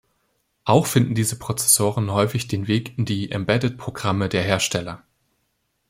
Auch finden diese Prozessoren häufig den Weg in die „Embedded“-Programme der Hersteller.